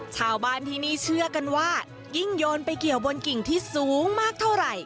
ชาวบ้านที่นี่เชื่อกันว่ายิ่งโยนไปเกี่ยวบนกิ่งที่สูงมากเท่าไหร่